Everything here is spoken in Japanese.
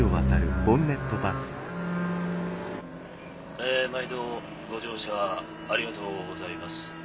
えまいどご乗車ありがとうございます。